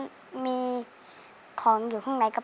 ต้นไม้ประจำจังหวัดระยองการครับ